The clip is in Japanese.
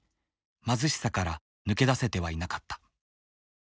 貧しさから抜け出せてはいなかった。